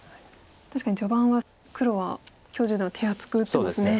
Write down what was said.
確かに序盤は黒は許十段は手厚く打ってますね。